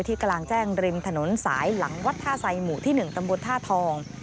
กลางแจ้งริมถนนสายหลังวัดท่าไซหมู่ที่๑ตำบลท่าทอง